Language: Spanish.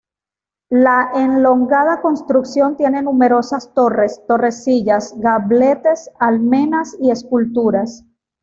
La elongada construcción tiene numerosas torres, torrecillas, gabletes, almenas y esculturas.